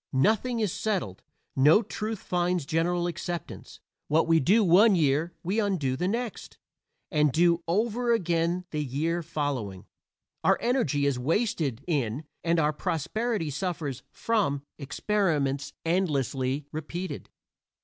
Nothing is settled; no truth finds general acceptance. What we do one year we undo the next, and do over again the year following. Our energy is wasted in, and our prosperity suffers from, experiments endlessly repeated.